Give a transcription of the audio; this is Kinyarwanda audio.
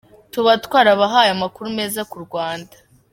Tuba twarabahaye amakuru meza ku Rwanda.